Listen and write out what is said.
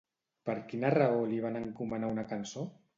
Per quina raó li van encomanar una cançó?